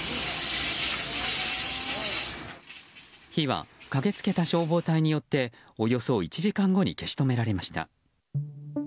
火は駆けつけた消防隊によっておよそ１時間後に消し止められました。